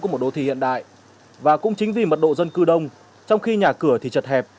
của một đô thị hiện đại và cũng chính vì mật độ dân cư đông trong khi nhà cửa thì chật hẹp